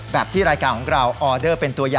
ที่รายการของเราออเดอร์เป็นตัวอย่าง